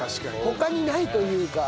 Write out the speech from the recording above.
他にないというか。